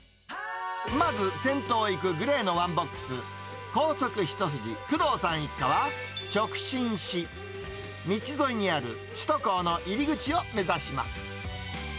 まず、先頭を行くグレーのワンボックス、高速一筋、工藤さん一家は、直進し、道沿いにある首都高の入り口を目指します。